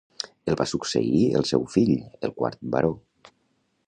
El va succeir el seu fill, el quart baró.